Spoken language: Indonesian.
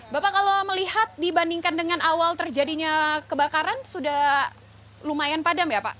bapak kalau melihat dibandingkan dengan awal terjadinya kebakaran sudah lumayan padam ya pak